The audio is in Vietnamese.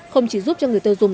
không chỉ giúp cho người tiêu dùng